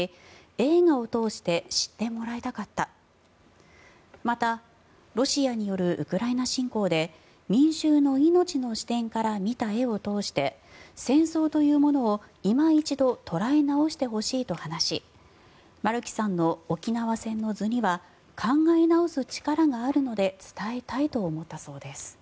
映画を通して知ってもらいたかったまたロシアによるウクライナ侵攻で民衆の命の視点から見た絵を通して戦争というものを、いま一度捉え直してほしいと話し丸木さんの「沖縄戦の図」には考え直す力があるので伝えたいと思ったそうです。